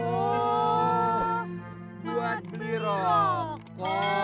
oh buat beli rokok